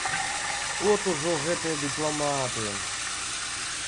От ужо гэтыя дыпламаты!